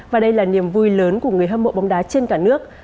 và đây là niềm vui lớn của người hâm mộ bóng đá trên cả nước